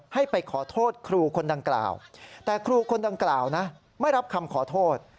ให้ไปขอโทษครูคนดังกล่าวแต่ครูคนดังกล่าวนะไม่รับคำขอโทษ